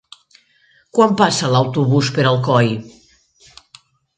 Quan passa l'autobús per Alcoi?